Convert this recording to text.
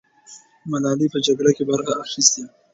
ملالۍ په جګړه کې برخه اخیستې.